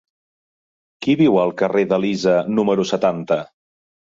Qui viu al carrer d'Elisa número setanta?